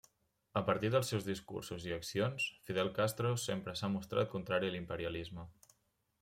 A partir dels seus discursos i accions, Fidel Castro sempre s'ha mostrat contrari a l'imperialisme.